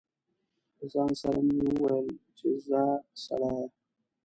له ځان سره مې و ویل چې ځه سړیه.